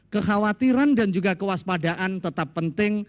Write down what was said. kekhawatiran dan juga kewaspadaan tetap penting